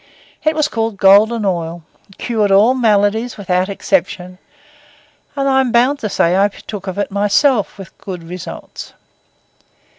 It was called Golden Oil, cured all maladies without exception; and I am bound to say that I partook of it myself with good results.